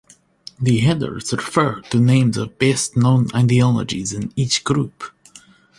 The headers refer to names of the best-known ideologies in each group.